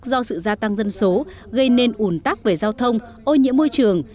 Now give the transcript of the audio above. do sự gia tăng dân số gây nên ủn tắc về giao thông ô nhiễm môi trường